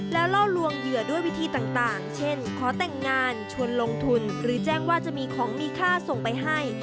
แล้วล่อลวงเหยื่อด้วยวิธีต่างเช่นขอแต่งงานชวนลงทุนหรือแจ้งว่าจะมีของมีค่าส่งไปให้